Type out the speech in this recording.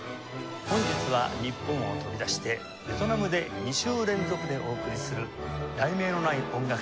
本日は日本を飛び出してベトナムで２週連続でお送りする『題名のない音楽会』